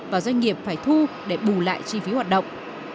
và doanh nghiệp phải thu để bù lại chi phí hoạt động